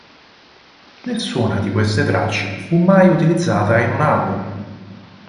Nessuna di queste tracce fu mai utilizzata in un album.